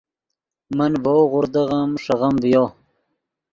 من ڤؤ غوردغیم ݰیغیم ڤیو